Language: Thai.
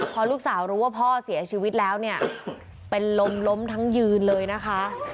พอลูกสาวรู้ว่าพ่อเสียชีวิตแล้วเนี่ยเป็นลมล้มทั้งยืนเลยนะคะ